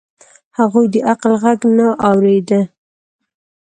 هغوی د عقل غږ نه اورېد.